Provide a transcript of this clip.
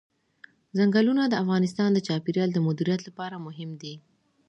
ځنګلونه د افغانستان د چاپیریال د مدیریت لپاره مهم دي.